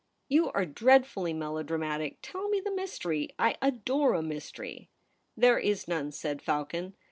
* You are dreadfully melodramatic. Tell me the mystery. I adore a mystery/ * There is none,' said Falcon.